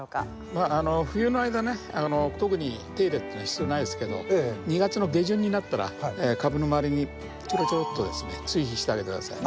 まあ冬の間ね特に手入れっていうのは必要ないですけど２月の下旬になったら株の周りにチョロチョロッとですね追肥してあげて下さい。